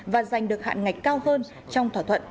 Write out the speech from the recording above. và giành được hạn ngạch cao hơn trong thỏa thuận